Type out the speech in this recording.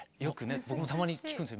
僕もたまに聞くんですよ